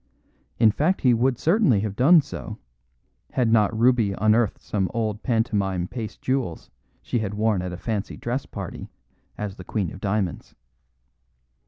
In fact he would certainly have done so, had not Ruby unearthed some old pantomime paste jewels she had worn at a fancy dress party as the Queen of Diamonds.